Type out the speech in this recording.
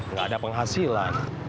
nggak ada penghasilan